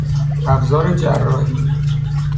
ابزار جراحی